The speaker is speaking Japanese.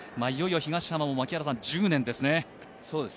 いよいよ東浜も１０年ですね。